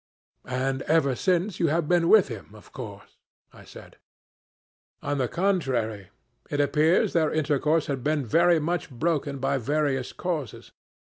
'And, ever since, you have been with him, of course?' I said. "On the contrary. It appears their intercourse had been very much broken by various causes.